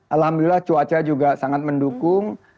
alhamdulillah cuaca juga sangat mendukung